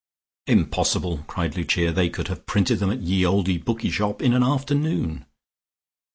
"Impossible!" cried Lucia. "They could have printed them at 'Ye olde Booke Shop' in an afternoon."